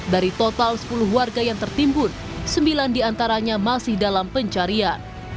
dari total sepuluh warga yang tertimbun sembilan diantaranya masih dalam pencarian